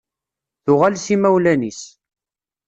Tuɣal s imawlan-is.